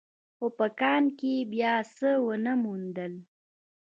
خو په کان کې يې بيا څه ونه موندل.